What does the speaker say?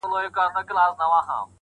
زه هم ځان سره یو څه دلیل لرمه,